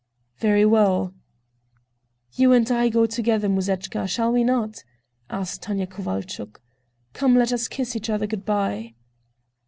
"Very well." "You and I go together, Musechka, shall we not?" asked Tanya Kovalchuk. "Come, let us kiss each other good by."